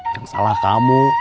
yang salah kamu